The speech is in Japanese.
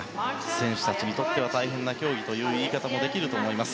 選手たちにとっては大変な競技という言い方もできると思います。